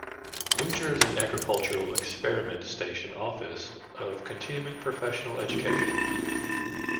New Jersey Agricultural Experiment Station Office of Continuing Professional Education.